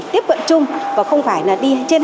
tiếp cận chung và không phải là đi trên